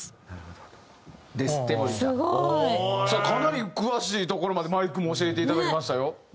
かなり詳しいところまでマイクも教えていただきましたよ。